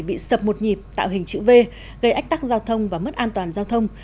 bị sập một nhịp tạo hình chữ v gây ách tắc giao thông và mất an toàn giao thông